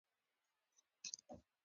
دا ځنډ دی